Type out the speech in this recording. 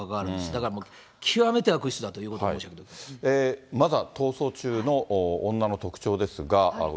だから、極めて悪質だということまずは逃走中の女の特徴です